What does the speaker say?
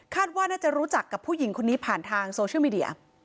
ว่าน่าจะรู้จักกับผู้หญิงคนนี้ผ่านทางโซเชียลมีเดีย